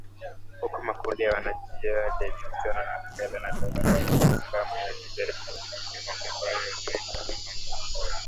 Huku makundi ya wanajihadi yenye uhusiano na al Qaeda na Dola la ki islamu yakijaribu kudhibiti maeneo ambayo yaliwahi kuwa na amani huko